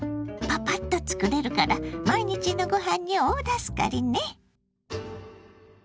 パパッと作れるから毎日のごはんに大助かりね！